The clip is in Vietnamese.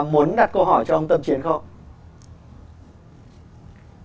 muốn đặt câu hỏi cho ông tâm chiến không